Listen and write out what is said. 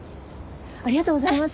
ありがとうございます。